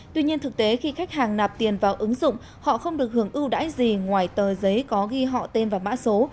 tuy nhiên thực tế khi khách hàng nạp tiền vào ứng dụng họ không được hưởng ưu đãi gì ngoài tờ giấy có ghi họ tên và mã số